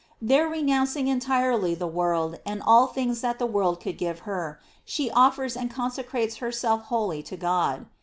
There renounc ing entirely the world and all things that the world could give her, she offers and consecrates herself wholly to God.